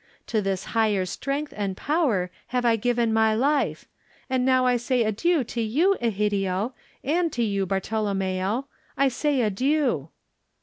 To this higher strength and power have I given my life. And now I say adieu to you, Egidio, and to you, Bartolommeo, I say adieu."